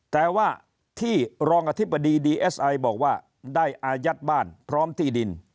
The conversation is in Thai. แต่ว่าที่รองอธิบดีดีเอสไอบอกว่าได้อายัดบ้านพร้อมที่ดิน